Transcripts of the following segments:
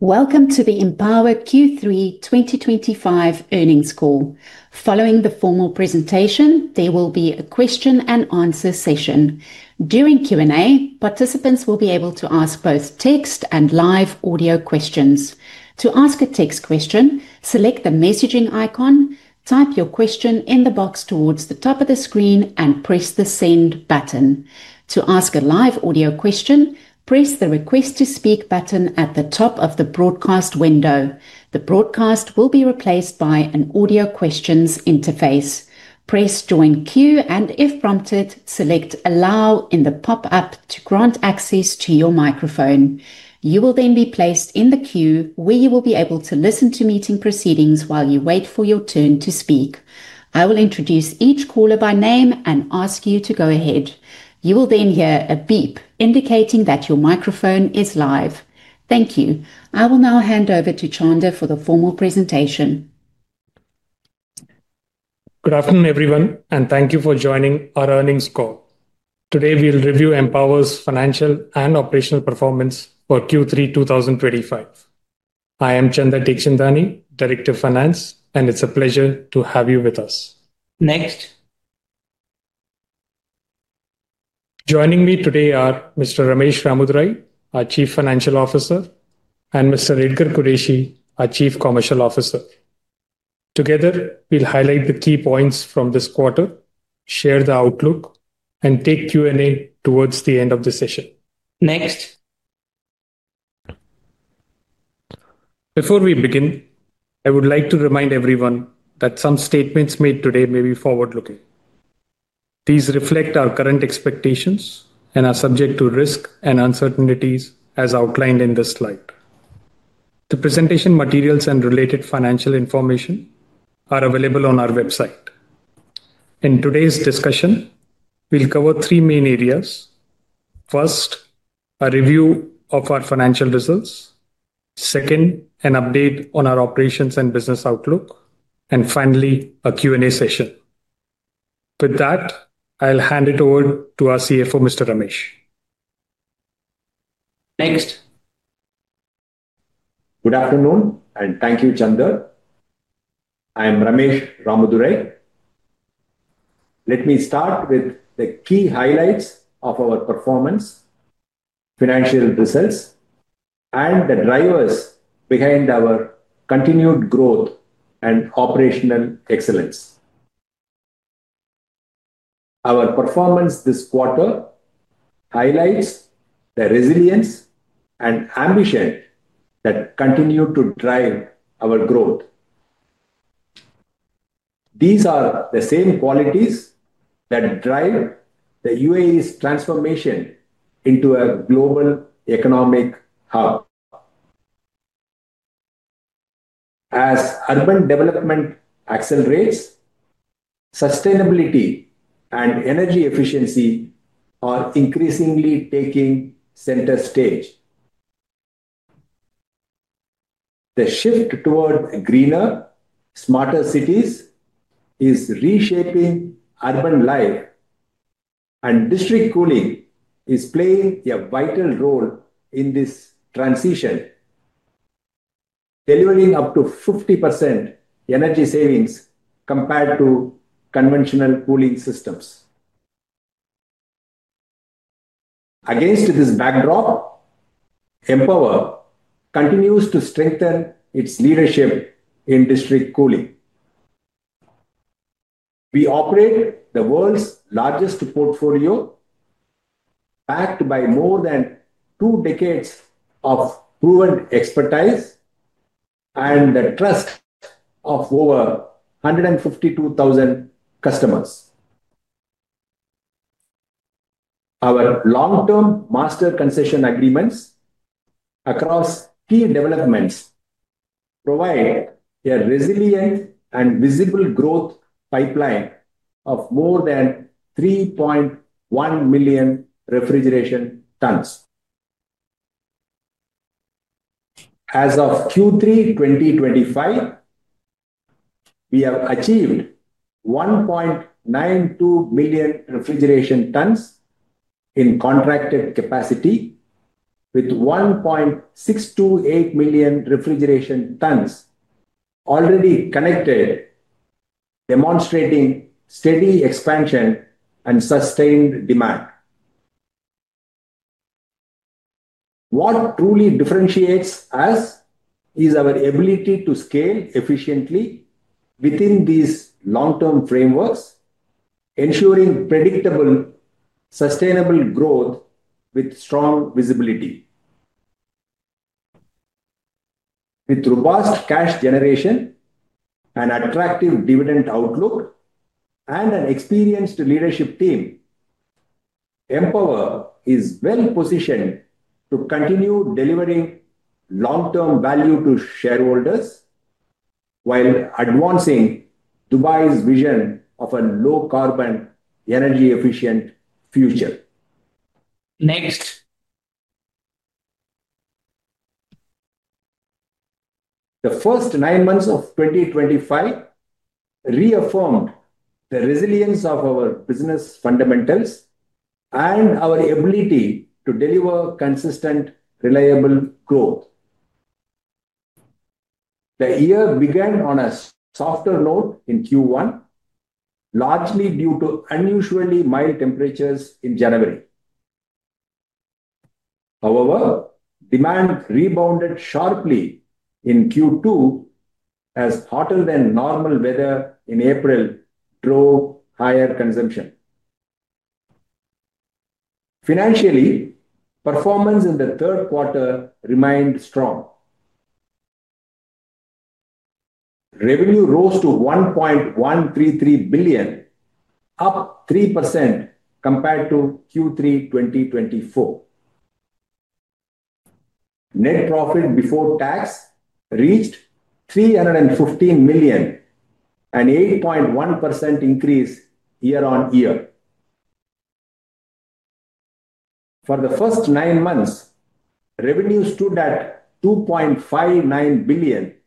Welcome to the Empower Q3 2025 earnings call. Following the formal presentation, there will be a question-and-answer session. During Q&A, participants will be able to ask both text and live audio questions. To ask a text question, select the messaging icon, type your question in the box towards the top of the screen, and press the send button. To ask a live audio question, press the request to speak button at the top of the broadcast window. The broadcast will be replaced by an audio questions interface. Press join queue, and if prompted, select allow in the pop-up to grant access to your microphone. You will then be placed in the queue where you will be able to listen to meeting proceedings while you wait for your turn to speak. I will introduce each caller by name and ask you to go ahead. You will then hear a beep indicating that your microphone is live. Thank you. I will now hand over to Chanda for the formal presentation. Good afternoon, everyone, and thank you for joining our earnings call. Today, we'll review Empower's financial and operational performance for Q3 2025. I am Chanda Tegshintani, Director of Finance, and it's a pleasure to have you with us. Next. Joining me today are Mr. Ramesh Ramudurai, our Chief Financial Officer, and Mr. Edgar Qureshi, our Chief Commercial Officer. Together, we'll highlight the key points from this quarter, share the outlook, and take Q&A towards the end of the session. Next. Before we begin, I would like to remind everyone that some statements made today may be forward-looking. These reflect our current expectations and are subject to risk and uncertainties, as outlined in this slide. The presentation materials and related financial information are available on our website. In today's discussion, we'll cover three main areas. First, a review of our financial results, second, an update on our operations and business outlook, and finally, a Q&A session. With that, I'll hand it over to our CFO, Mr. Ramesh. Next. Good afternoon, and thank you, Chanda. I'm Ramesh Ramudurai. Let me start with the key highlights of our performance. Financial results, and the drivers behind our continued growth and operational excellence. Our performance this quarter highlights the resilience and ambition that continue to drive our growth. These are the same qualities that drive the UAE's transformation into a global economic hub. As urban development accelerates, sustainability and energy efficiency are increasingly taking center stage. The shift toward greener, smarter cities is reshaping urban life, and district cooling is playing a vital role in this transition, delivering up to 50% energy savings compared to conventional cooling systems. Against this backdrop, Empower continues to strengthen its leadership in district cooling. We operate the world's largest portfolio, backed by more than two decades of proven expertise and the trust of over 152,000 customers. Our long-term master concession agreements across key developments. Provide a resilient and visible growth pipeline of more than 3.1 million refrigeration tons. As of Q3 2025, we have achieved 1.92 million refrigeration tons in contracted capacity, with 1.628 million refrigeration tons already connected, demonstrating steady expansion and sustained demand. What truly differentiates us is our ability to scale efficiently within these long-term frameworks, ensuring predictable sustainable growth with strong visibility. With robust cash generation, an attractive dividend outlook, and an experienced leadership team, Empower is well positioned to continue delivering long-term value to shareholders while advancing Dubai's vision of a low-carbon, energy-efficient future. Next. The first nine months of 2025 reaffirmed the resilience of our business fundamentals and our ability to deliver consistent, reliable growth. The year began on a softer note in Q1, largely due to unusually mild temperatures in January. However, demand rebounded sharply in Q2, as hotter-than-normal weather in April drove higher consumption. Financially, performance in the third quarter remained strong. Revenue rose to 1.133 billion, up 3% compared to Q3 2024. Net profit before tax reached 315 million, an 8.1% increase year-on-year. For the first nine months, revenue stood at 2.59 billion,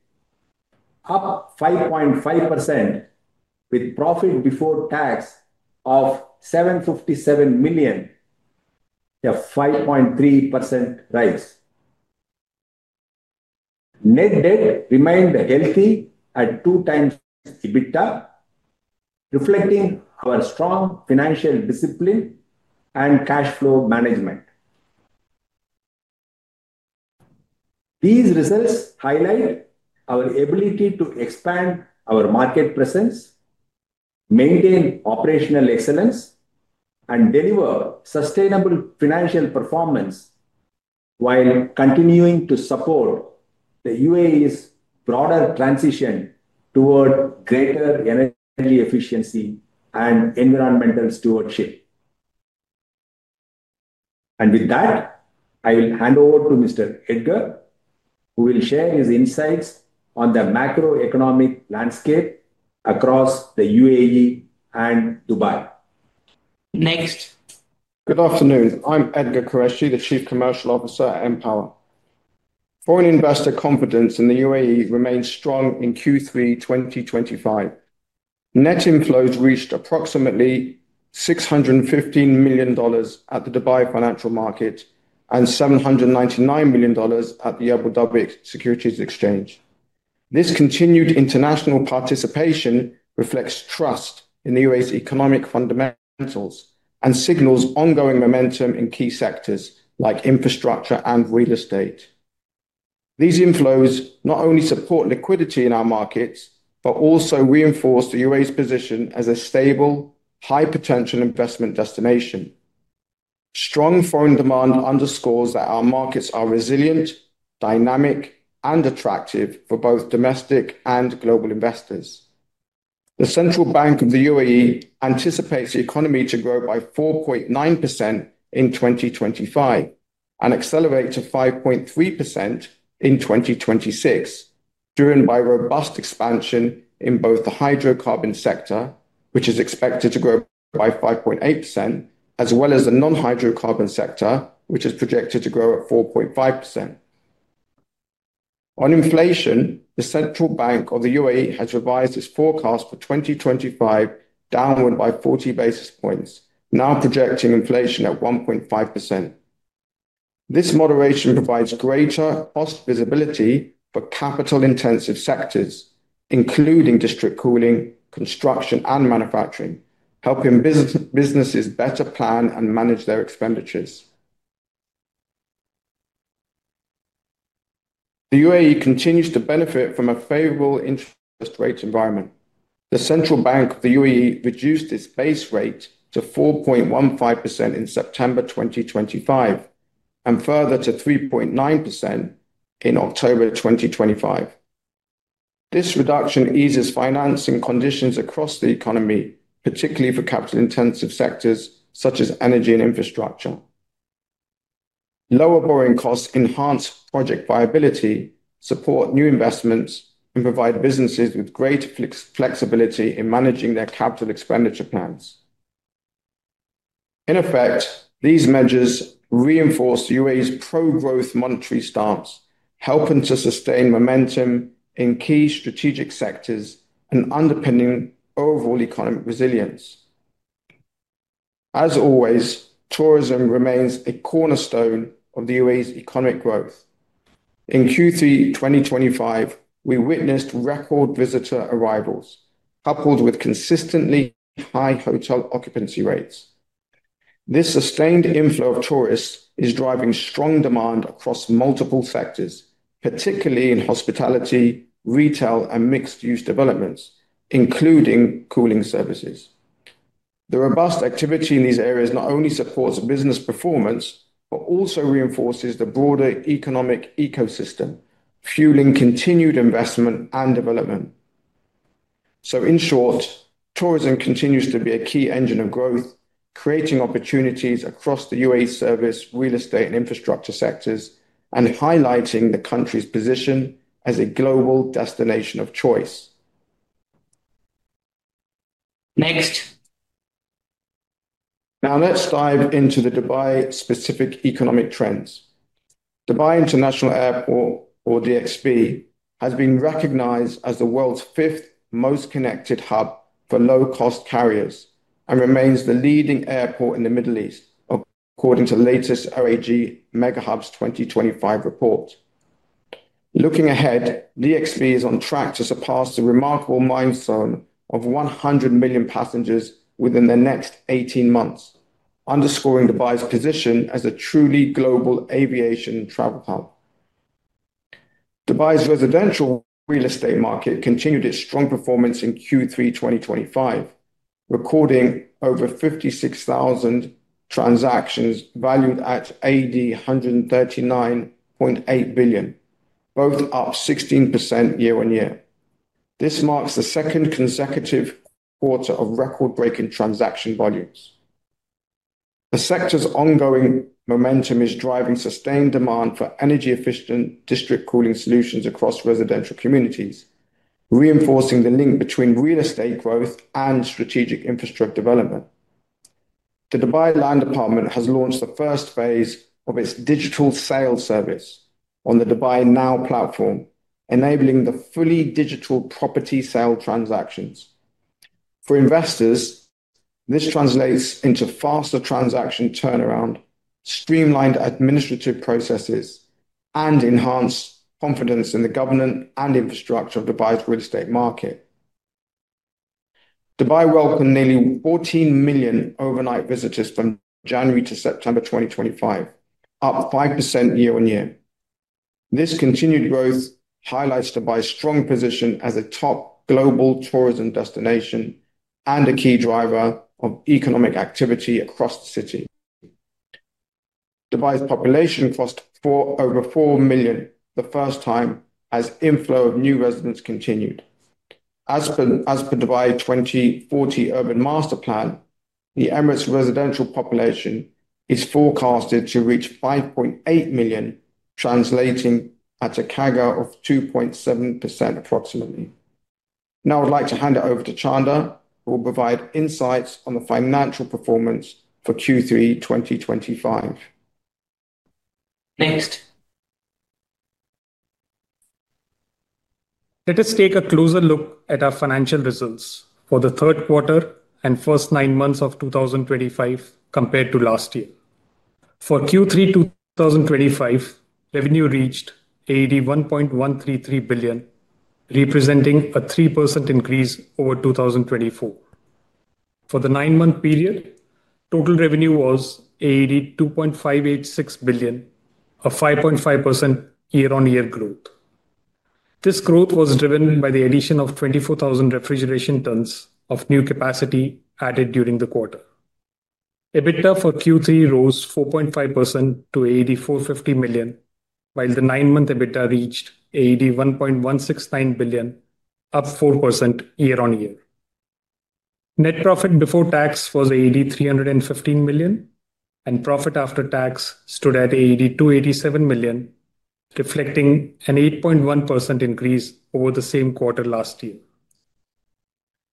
up 5.5%, with profit before tax of 757 million, a 5.3% rise. Net debt remained healthy at two times EBITDA, reflecting our strong financial discipline and cash flow management. These results highlight our ability to expand our market presence, maintain operational excellence, and deliver sustainable financial performance while continuing to support. The UAE's broader transition toward greater energy efficiency and environmental stewardship. With that, I will hand over to Mr. Edgar, who will share his insights on the macroeconomic landscape across the UAE and Dubai. Next. Good afternoon. I'm Edgar Qureshi, the Chief Commercial Officer at Empower. Foreign investor confidence in the UAE remained strong in Q3 2025. Net inflows reached approximately $615 million at the Dubai Financial Market and $799 million at the Abu Dhabi Securities Exchange. This continued international participation reflects trust in the UAE's economic fundamentals and signals ongoing momentum in key sectors like infrastructure and real estate. These inflows not only support liquidity in our markets but also reinforce the UAE's position as a stable, high-potential investment destination. Strong foreign demand underscores that our markets are resilient, dynamic, and attractive for both domestic and global investors. The Central Bank of the UAE anticipates the economy to grow by 4.9% in 2025 and accelerate to 5.3% in 2026, driven by robust expansion in both the hydrocarbon sector, which is expected to grow by 5. 8%, as well as the non-hydrocarbon sector, which is projected to grow at 4.5%. On inflation, the Central Bank of the UAE has revised its forecast for 2025 downward by 40 basis points, now projecting inflation at 1.5%. This moderation provides greater cost visibility for capital-intensive sectors, including district cooling, construction, and manufacturing, helping businesses better plan and manage their expenditures. The UAE continues to benefit from a favorable interest rate environment. The Central Bank of the UAE reduced its base rate to 4.15% in September 2025. Further, to 3.9% in October 2025. This reduction eases financing conditions across the economy, particularly for capital-intensive sectors such as energy and infrastructure. Lower borrowing costs enhance project viability, support new investments, and provide businesses with greater flexibility in managing their capital expenditure plans. In effect, these measures reinforce the UAE's pro-growth monetary stance, helping to sustain momentum in key strategic sectors and underpinning overall economic resilience. As always, tourism remains a cornerstone of the UAE's economic growth. In Q3 2025, we witnessed record visitor arrivals, coupled with consistently high hotel occupancy rates. This sustained inflow of tourists is driving strong demand across multiple sectors, particularly in hospitality, retail, and mixed-use developments, including cooling services. The robust activity in these areas not only supports business performance but also reinforces the broader economic ecosystem, fueling continued investment and development. In short, tourism continues to be a key engine of growth, creating opportunities across the UAE's service, real estate, and infrastructure sectors, and highlighting the country's position as a global destination of choice. Next. Now, let's dive into the Dubai-specific economic trends. Dubai International Airport, or DXB, has been recognized as the world's fifth most connected hub for low-cost carriers and remains the leading airport in the Middle East, according to the latest OAG Megahubs 2025 report. Looking ahead, DXB is on track to surpass the remarkable milestone of 100 million passengers within the next 18 months, underscoring Dubai's position as a truly global aviation travel hub. Dubai's residential real estate market continued its strong performance in Q3 2025, recording over 56,000 transactions valued at 139.8 billion, both up 16% year-on-year. This marks the second consecutive quarter of record-breaking transaction volumes. The sector's ongoing momentum is driving sustained demand for energy-efficient district cooling solutions across residential communities, reinforcing the link between real estate growth and strategic infrastructure development. The Dubai Land Department has launched the first phase of its digital sales service on the DubaiNow platform, enabling the fully digital property sale transactions. For investors, this translates into faster transaction turnaround, streamlined administrative processes, and enhanced confidence in the governance and infrastructure of Dubai's real estate market. Dubai welcomed nearly 14 million overnight visitors from January to September 2025, up 5% year-on-year. This continued growth highlights Dubai's strong position as a top global tourism destination and a key driver of economic activity across the city. Dubai's population crossed over 4 million the first time as inflow of new residents continued. As per Dubai 2040 Urban Master Plan, the Emirates' residential population is forecasted to reach 5.8 million, translating at a CAGR of 2.7% approximately. Now, I'd like to hand it over to Chanda, who will provide insights on the financial performance for Q3 2025. Next. Let us take a closer look at our financial results for the third quarter and first nine months of 2025 compared to last year. For Q3 2025, revenue reached 1.133 billion, representing a 3% increase over 2024. For the nine-month period, total revenue was 2.586 billion, a 5.5% year-on-year growth. This growth was driven by the addition of 24,000 refrigeration tons of new capacity added during the quarter. EBITDA for Q3 rose 4.5% to 450 million, while the nine-month EBITDA reached 1.169 billion, up 4% year-on-year. Net profit before tax was 315 million, and profit after tax stood at 287 million, reflecting an 8.1% increase over the same quarter last year.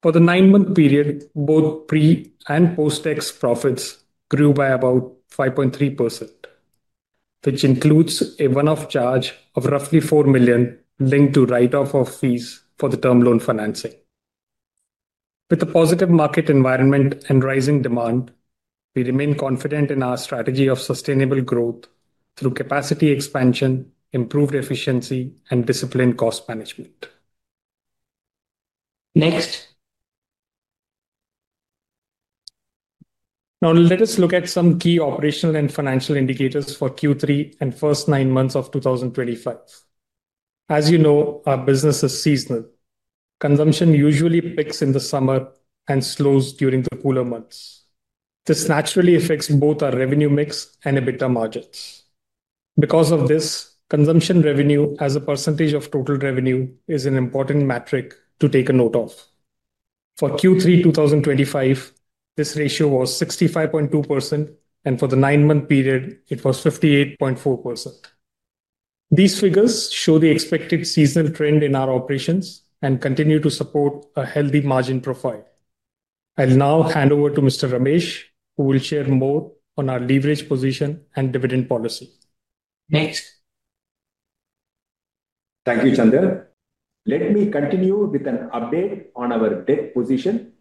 For the nine-month period, both pre and post-tax profits grew by about 5.3%. Which includes a one-off charge of roughly 4 million linked to write-off of fees for the term loan financing. With the positive market environment and rising demand, we remain confident in our strategy of sustainable growth through capacity expansion, improved efficiency, and disciplined cost management. Next. Now, let us look at some key operational and financial indicators for Q3 and first nine months of 2025. As you know, our business is seasonal. Consumption usually peaks in the summer and slows during the cooler months. This naturally affects both our revenue mix and EBITDA margins. Because of this, consumption revenue as a percentage of total revenue is an important metric to take a note of. For Q3 2025, this ratio was 65.2%, and for the nine-month period, it was 58.4%. These figures show the expected seasonal trend in our operations and continue to support a healthy margin profile. I'll now hand over to Mr. Ramesh, who will share more on our leverage position and dividend policy. Next. Thank you, Chanda. Let me continue with an update on our debt position,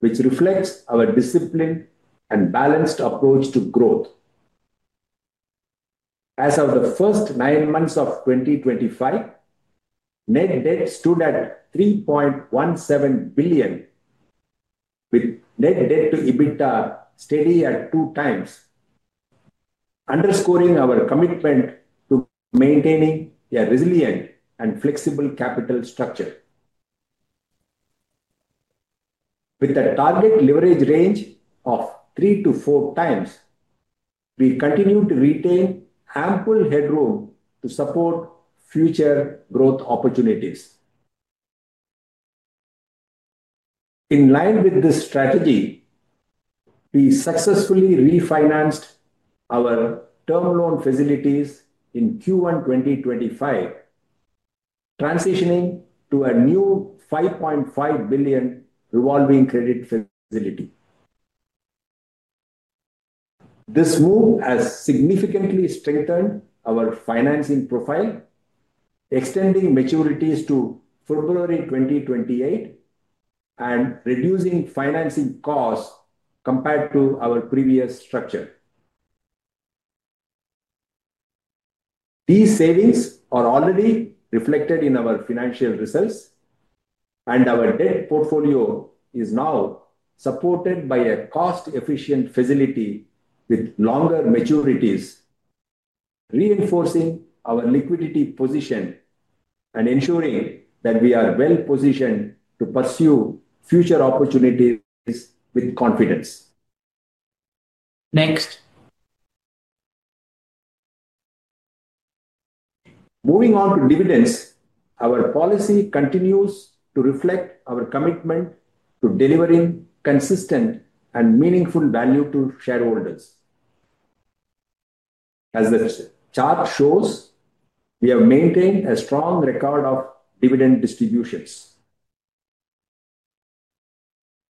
which reflects our disciplined and balanced approach to growth. As of the first nine months of 2025, net debt stood at 3.17 billion, with net debt to EBITDA steady at two times, underscoring our commitment to maintaining a resilient and flexible capital structure, with a target leverage range of three to four times. We continue to retain ample headroom to support future growth opportunities. In line with this strategy, we successfully refinanced our term loan facilities in Q1 2025, transitioning to a new 5.5 billion revolving credit facility. This move has significantly strengthened our financing profile, extending maturities to February 2028 and reducing financing costs compared to our previous structure. These savings are already reflected in our financial results, and our debt portfolio is now supported by a cost-efficient facility with longer maturities. Reinforcing our liquidity position. Ensuring that we are well positioned to pursue future opportunities with confidence. Next. Moving on to dividends, our policy continues to reflect our commitment to delivering consistent and meaningful value to shareholders. As the chart shows, we have maintained a strong record of dividend distributions.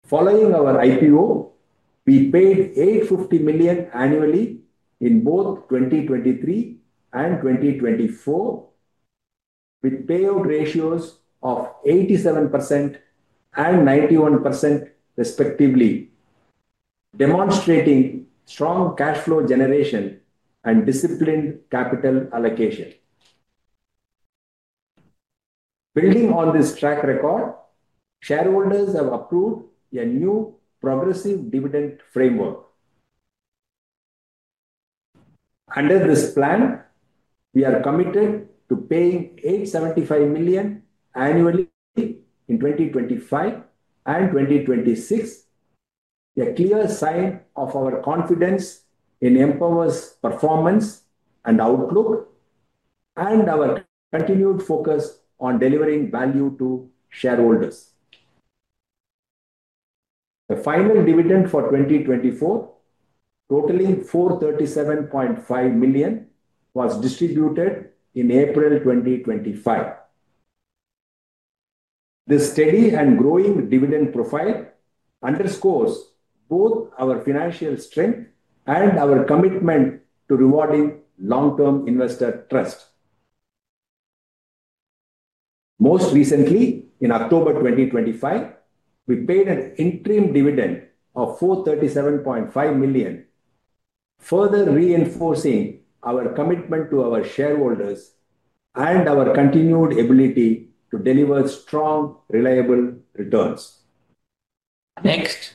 Following our IPO, we paid 850 million annually in both 2023 and 2024, with payout ratios of 87% and 91% respectively, demonstrating strong cash flow generation and disciplined capital allocation. Building on this track record, shareholders have approved a new progressive dividend framework. Under this plan, we are committed to paying 875 million annually in 2025 and 2026, a clear sign of our confidence in Empower's performance and outlook and our continued focus on delivering value to shareholders. The final dividend for 2024, totaling 437.5 million, was distributed in April 2025. The steady and growing dividend profile underscores both our financial strength and our commitment to rewarding long-term investor trust. Most recently, in October 2025, we paid an interim dividend of 437.5 million, further reinforcing our commitment to our shareholders and our continued ability to deliver strong, reliable returns. Next.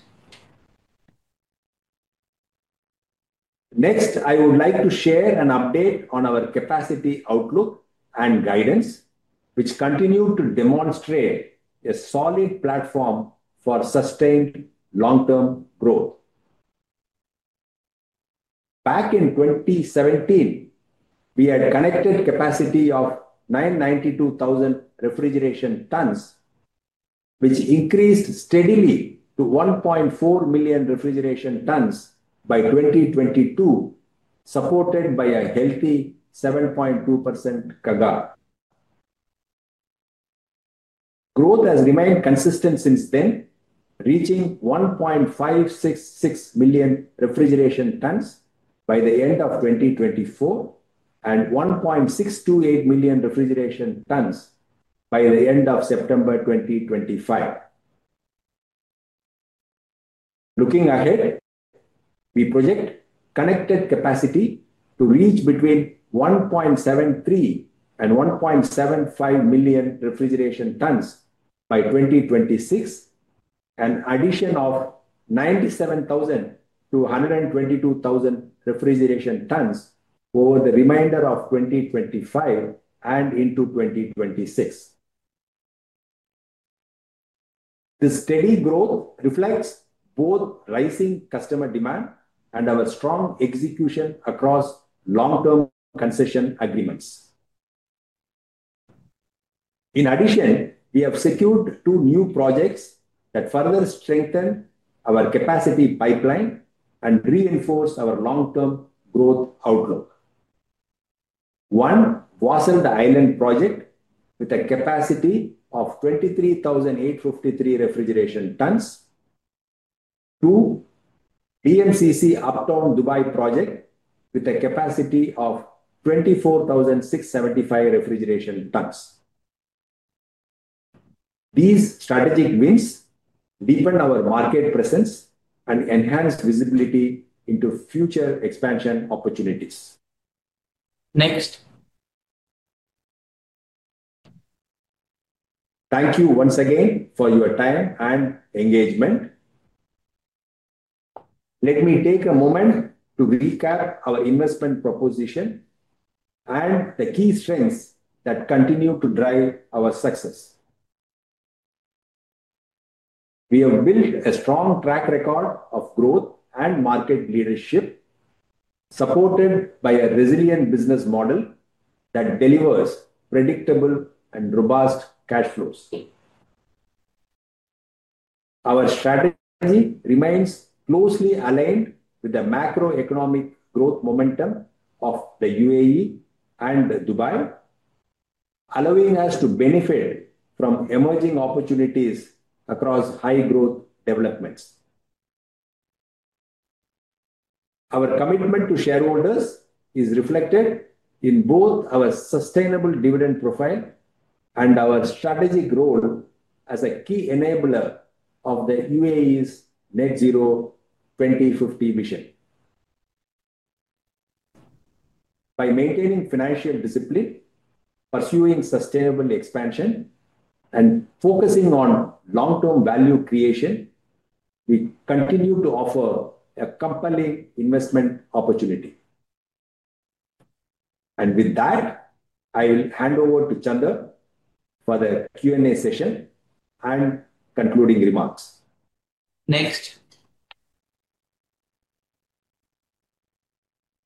Next, I would like to share an update on our capacity outlook and guidance, which continue to demonstrate a solid platform for sustained long-term growth. Back in 2017, we had connected capacity of 992,000 refrigeration tons, which increased steadily to 1.4 million refrigeration tons by 2022, supported by a healthy 7.2% CAGR. Growth has remained consistent since then, reaching 1.566 million refrigeration tons by the end of 2024 and 1.628 million refrigeration tons by the end of September 2025. Looking ahead, we project connected capacity to reach between 1.73-1.75 million refrigeration tons by 2026, and addition of 97,000-122,000 refrigeration tons over the remainder of 2025 and into 2026. The steady growth reflects both rising customer demand and our strong execution across long-term concession agreements. In addition, we have secured two new projects that further strengthen our capacity pipeline and reinforce our long-term growth outlook. One, Yas Island project with a capacity of 23,853 refrigeration tons. Two, BMCC Uptown Dubai project with a capacity of 24,675 refrigeration tons. These strategic wins deepened our market presence and enhanced visibility into future expansion opportunities. Next. Thank you once again for your time and engagement. Let me take a moment to recap our investment proposition. The key strengths that continue to drive our success. We have built a strong track record of growth and market leadership, supported by a resilient business model that delivers predictable and robust cash flows. Our strategy remains closely aligned with the macroeconomic growth momentum of the UAE and Dubai, allowing us to benefit from emerging opportunities across high-growth developments. Our commitment to shareholders is reflected in both our sustainable dividend profile and our strategic role as a key enabler of the UAE's Net Zero 2050 mission. By maintaining financial discipline, pursuing sustainable expansion, and focusing on long-term value creation, we continue to offer a compelling investment opportunity. I will hand over to Chanda for the Q&A session and concluding remarks. Next.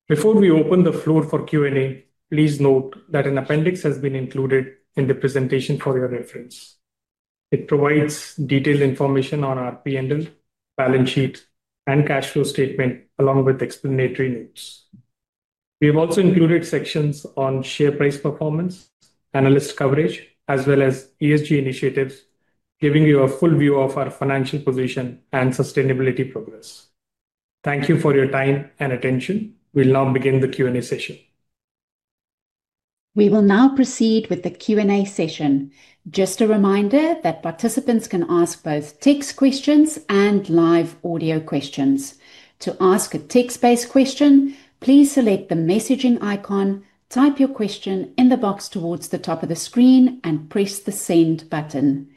Before we open the floor for Q&A, please note that an appendix has been included in the presentation for your reference. It provides detailed information on our P&L, balance sheet, and cash flow statement, along with explanatory notes. We have also included sections on share price performance, analyst coverage, as well as ESG initiatives, giving you a full view of our financial position and sustainability progress. Thank you for your time and attention. We'll now begin the Q&A session. We will now proceed with the Q&A session. Just a reminder that participants can ask both text questions and live audio questions. To ask a text-based question, please select the messaging icon, type your question in the box towards the top of the screen, and press the send button.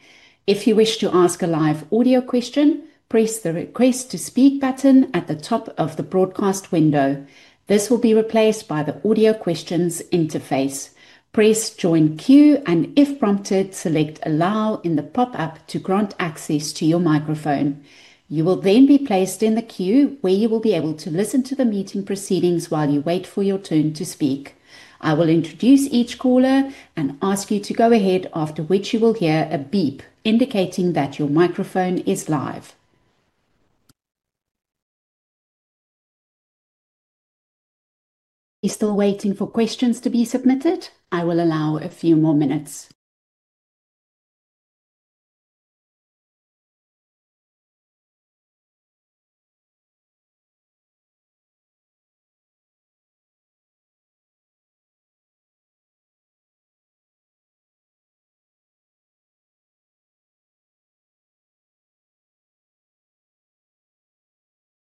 If you wish to ask a live audio question, press the request to speak button at the top of the broadcast window. This will be replaced by the audio questions interface. Press join queue, and if prompted, select allow in the pop-up to grant access to your microphone. You will then be placed in the queue where you will be able to listen to the meeting proceedings while you wait for your turn to speak. I will introduce each caller and ask you to go ahead, after which you will hear a beep indicating that your microphone is live. You're still waiting for questions to be submitted? I will allow a few more minutes.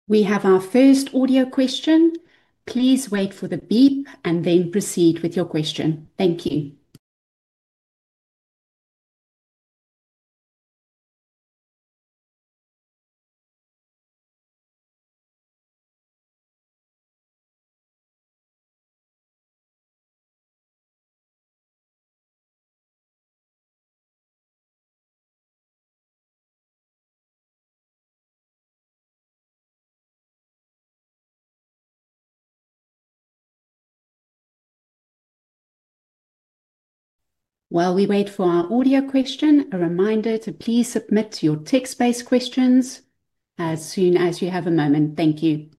We have our first audio question. Please wait for the beep and then proceed with your question. Thank you. While we wait for our audio question, a reminder to please submit your text-based questions as soon as you have a moment. Thank you.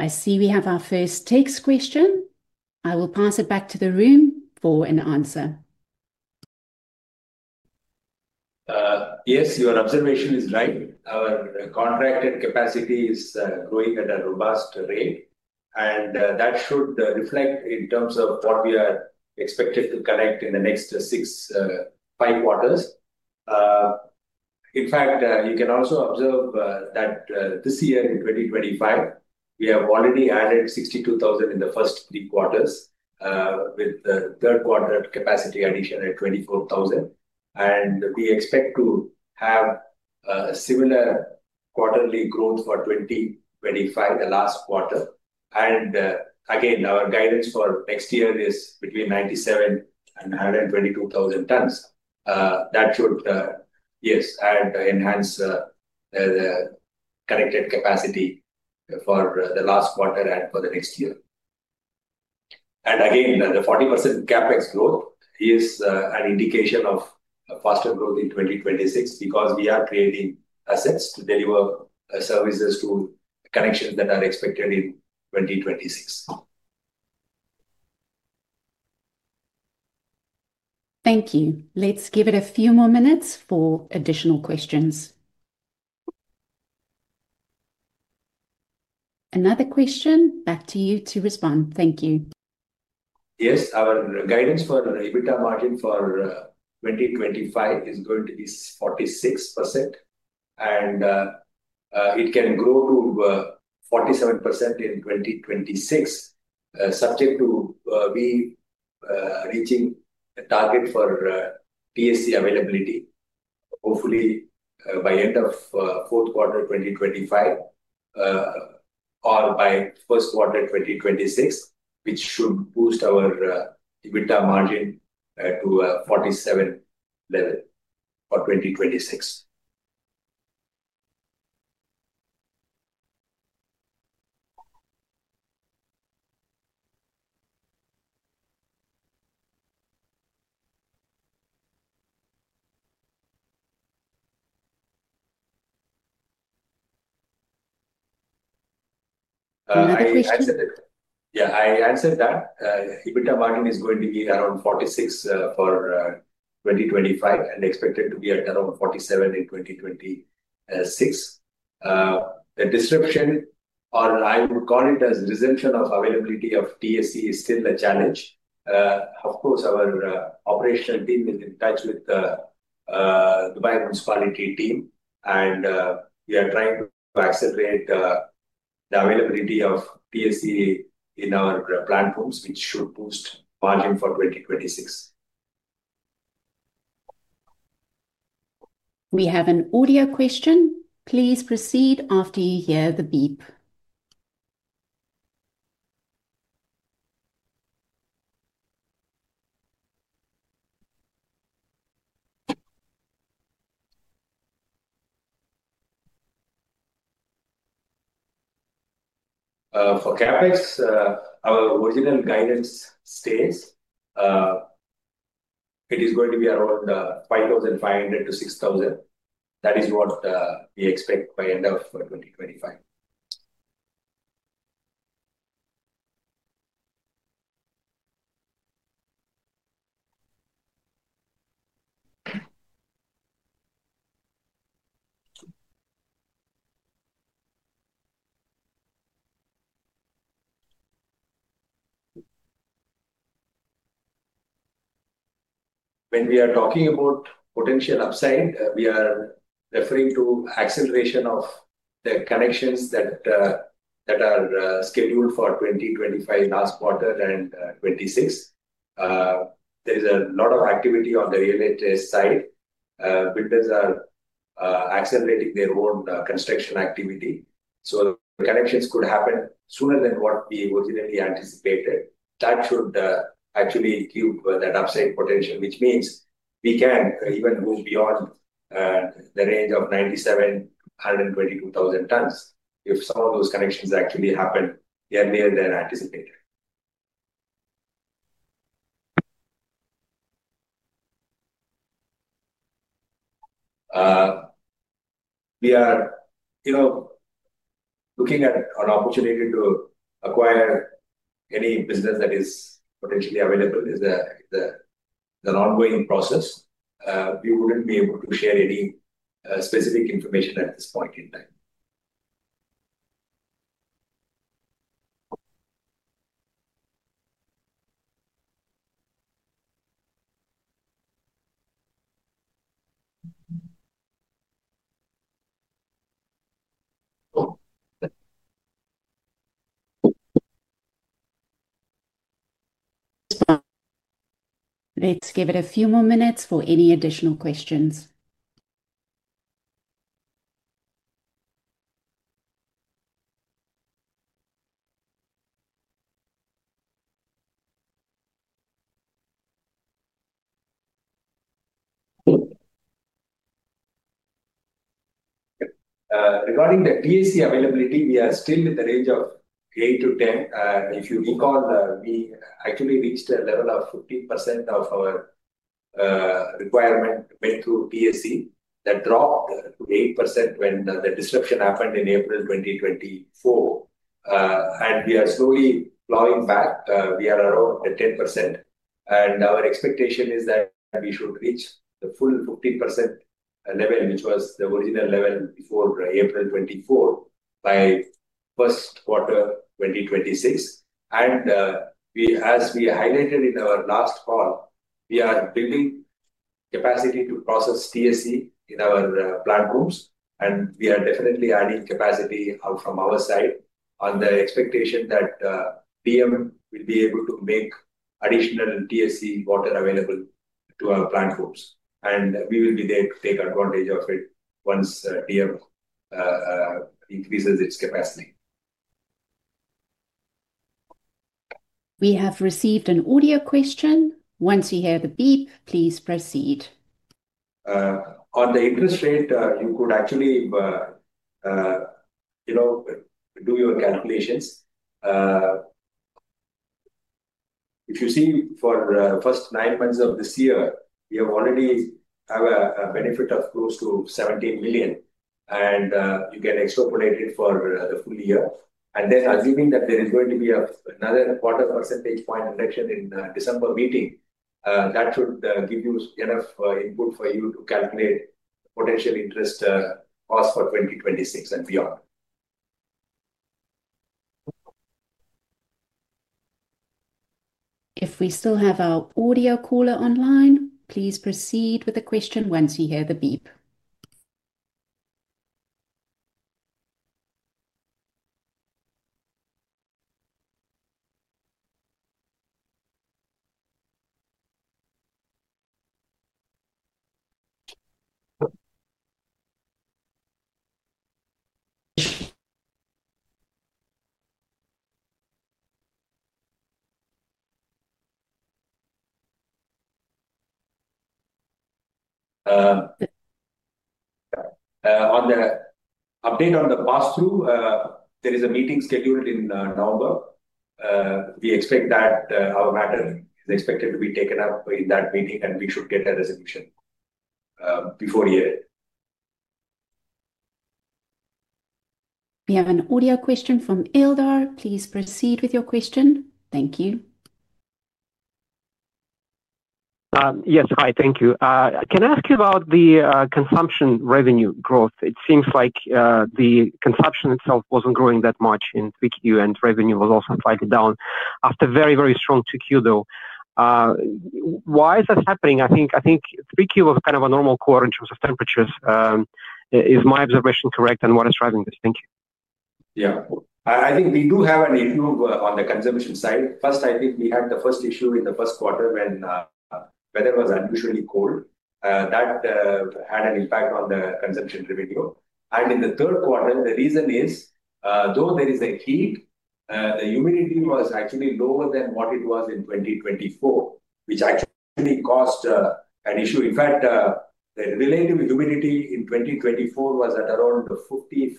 I see we have our first text question. I will pass it back to the room for an answer. Yes, your observation is right. Our contracted capacity is growing at a robust rate, and that should reflect in terms of what we are expected to collect in the next six, five quarters. In fact, you can also observe that this year in 2025, we have already added 62,000 in the first three quarters. With the third quarter capacity addition at 24,000, and we expect to have a similar quarterly growth for 2025, the last quarter. Our guidance for next year is between 97,000-122,000 tons. That should, yes, enhance the connected capacity for the last quarter and for the next year. The 40% CapEx growth is an indication of faster growth in 2026 because we are creating assets to deliver services to connections that are expected in 2026. Thank you. Let's give it a few more minutes for additional questions. Another question back to you to respond. Thank you. Yes, our guidance for EBITDA margin for 2025 is going to be 46%. It can grow to 47% in 2026, subject to we reaching a target for TSE availability, hopefully by end of fourth quarter 2025 or by first quarter 2026, which should boost our EBITDA margin to a 47% level for 2026. Another question. Yeah, I answered that. EBITDA margin is going to be around 46% for 2025 and expected to be at around 47% in 2026. The disruption, or I would call it as resumption of availability of TSE, is still a challenge. Of course, our operational team is in touch with the Dubai Municipality team, and we are trying to accelerate the availability of TSE in our platforms, which should boost margin for 2026. We have an audio question. Please proceed after you hear the beep. For CapEx, our original guidance stays. It is going to be around 5,500 million-6,000 million. That is what we expect by end of 2025. When we are talking about potential upside, we are referring to acceleration of the connections that are scheduled for 2025, last quarter and 2026. There is a lot of activity on the real estate side. Builders are accelerating their own construction activity. The connections could happen sooner than what we originally anticipated. That should actually give that upside potential, which means we can even move beyond the range of 97,000-122,000 tons if some of those connections actually happen earlier than anticipated. We are looking at an opportunity to acquire any business that is potentially available. It is an ongoing process. We would not be able to share any specific information at this point in time. Let's give it a few more minutes for any additional questions. Regarding the TSE availability, we are still in the range of 8-10%. If you recall, we actually reached a level of 15% of our requirement went through TSE. That dropped to 8% when the disruption happened in April 2024. We are slowly plowing back. We are around 10%. Our expectation is that we should reach the full 15% level, which was the original level before April 2024, by first quarter 2026. As we highlighted in our last call, we are building capacity to process TSE in our plant rooms, and we are definitely adding capacity out from our side on the expectation that Dubai Municipality will be able to make additional TSE water available to our plant rooms. We will be there to take advantage of it once Dubai Municipality increases its capacity. We have received an audio question. Once you hear the beep, please proceed. On the interest rate, you could actually do your calculations. If you see, for the first nine months of this year, we have already had a benefit of close to 17 million, and you can extrapolate it for the full year. Assuming that there is going to be another quarter percentage point reduction in the December meeting, that should give you enough input for you to calculate potential interest cost for 2026 and beyond. If we still have our audio caller online, please proceed with the question once you hear the beep. On the update on the pass-through, there is a meeting scheduled in November. We expect that our matter is expected to be taken up in that meeting, and we should get a resolution before year-end. We have an audio question from Eldar. Please proceed with your question. Thank you. Yes, hi. Thank you. Can I ask you about the consumption revenue growth? It seems like the consumption itself was not growing that much in 3Q, and revenue was also slightly down after very, very strong 2Q, though. Why is that happening? I think 3Q was kind of a normal quarter in terms of temperatures. Is my observation correct and what is driving this? Thank you. Yeah, I think we do have an issue on the consumption side. First, I think we had the first issue in the first quarter when weather was unusually cold. That had an impact on the consumption revenue. In the third quarter, the reason is, though there is a heat, the humidity was actually lower than what it was in 2024, which actually caused an issue. In fact, the relative humidity in 2024 was at around 50%-52%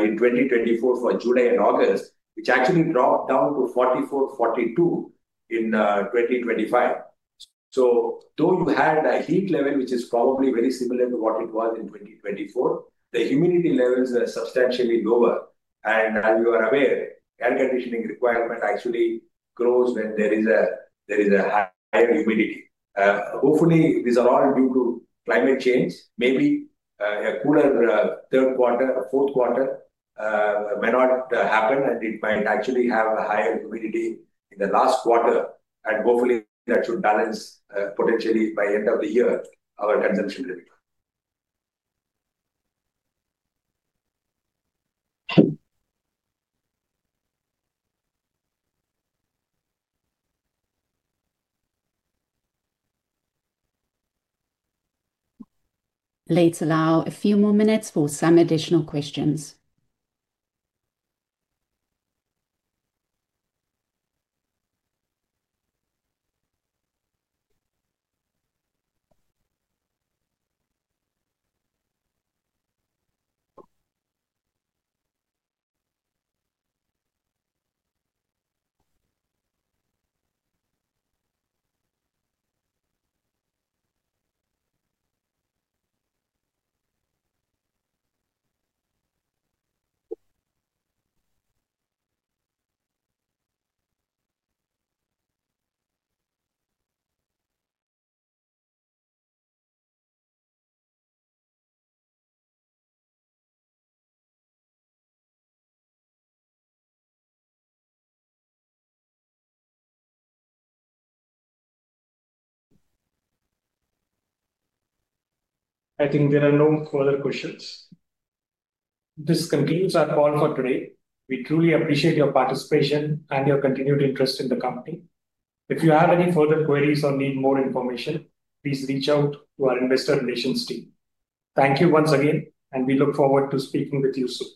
in 2024 for July and August, which actually dropped down to 44%-42% in 2025. Though you had a heat level, which is probably very similar to what it was in 2024, the humidity levels are substantially lower. As you are aware, air conditioning requirement actually grows when there is a higher humidity. Hopefully, these are all due to climate change. Maybe a cooler third quarter, fourth quarter. May not happen, and it might actually have a higher humidity in the last quarter. Hopefully, that should balance potentially by end of the year our consumption revenue. Let's allow a few more minutes for some additional questions. I think there are no further questions. This concludes our call for today. We truly appreciate your participation and your continued interest in the company. If you have any further queries or need more information, please reach out to our investor relations team. Thank you once again, and we look forward to speaking with you soon.